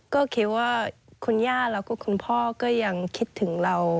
ก็คิดว่าคุณย่าแล้วก็คุณพ่อก็ยังคิดถึงเรา